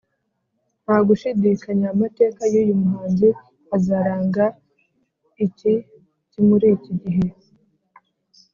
Nta gushidikanya, amateka y'uyu muhanzi azaranga iki kiMuri iki gihe